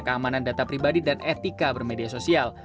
keamanan data pribadi dan etika bermedia sosial